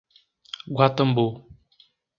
Guatambu